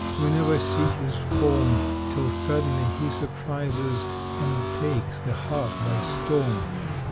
We never see his form, Till suddenly he surprises And takes the heart by storm.